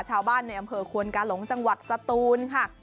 ชาวบ้านในอำเภอควนกาหลงจังหวัดสตูนค่ะ